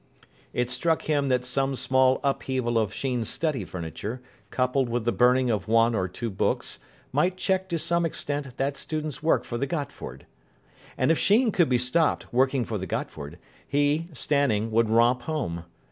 It struck him that some small upheaval of Sheen's study furniture, coupled with the burning of one or two books, might check to some extent that student's work for the Gotford. And if Sheen could be stopped working for the Gotford, he, Stanning, would romp home.